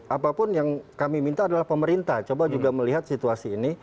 apapun yang kami minta adalah pemerintah coba juga melihat situasi ini